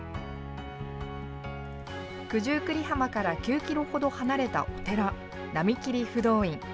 九十九里浜から９キロほど離れたお寺、浪切不動院。